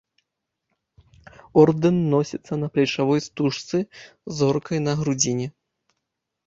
Ордэн носіцца на плечавой стужцы з зоркай на грудзіне.